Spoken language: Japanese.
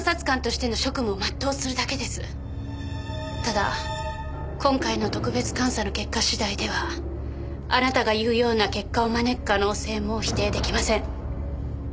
ただ今回の特別監査の結果次第ではあなたが言うような結果を招く可能性も否定出来ません。